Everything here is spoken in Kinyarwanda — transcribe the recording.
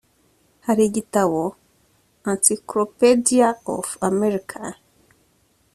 Hari igitabo Encyclopedia of American